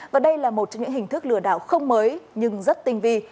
và đây là một trong những hình thức lừa đảo không mới nhưng rất tinh vi